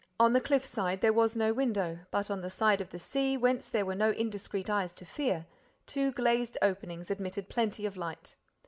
On the cliff side there was no window. But on the side of the sea, whence there were no indiscreet eyes to fear, two glazed openings admitted plenty of light.